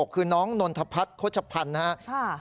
คือน้องนนทพัฒน์โฆษภัณฑ์นะครับ